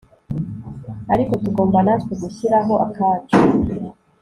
ariko tugomba natwe gushyiraho akacu